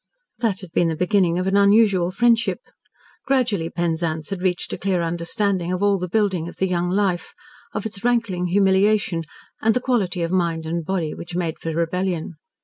That had been the beginning of an unusual friendship. Gradually Penzance had reached a clear understanding of all the building of the young life, of its rankling humiliation, and the qualities of mind and body which made for rebellion.